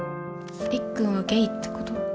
りっくんはゲイってこと？